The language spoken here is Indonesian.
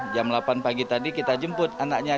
jam delapan pagi tadi kita jemput anaknya